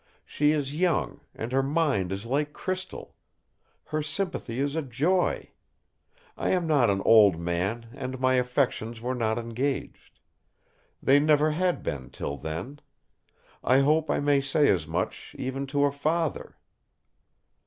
She is young; and her mind is like crystal! Her sympathy is a joy! I am not an old man, and my affections were not engaged. They never had been till then. I hope I may say as much, even to a father!"